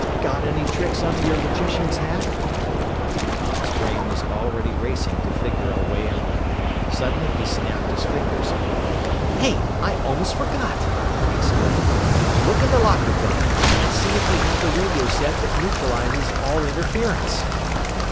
"Got any tricks under your magician's hat?" Tom's brain was already racing to figure a way out. Suddenly he snapped his fingers. "Hey! I almost forgot!" he exclaimed. "Look in the locker, Bud, and see if we have the radio set that neutralizes all interference!"